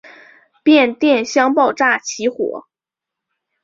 变电箱爆炸起火。